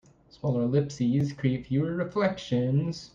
Smaller ellipses create fewer reflections.